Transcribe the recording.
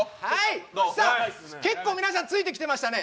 結構皆さん、ついてきてましたね。